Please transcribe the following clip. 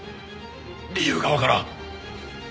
理由がわからん。